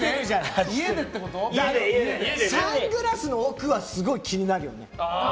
サングラスの奥はすごい気になるよね。